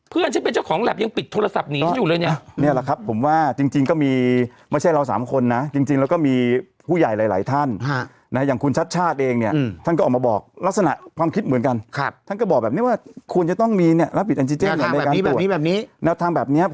เพื่อนใช่เป็นเจ้าของแล็บยังปิดโทรศัพท์หนีอยู่เลยเนี่ย